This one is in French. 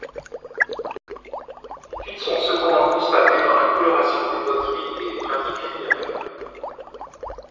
Des similitudes sont cependant constatées dans la coloration des poteries et les pratiques funéraires.